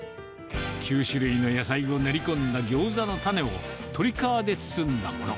９種類の野菜を練り込んだギョーザの種を鶏皮で包んだもの。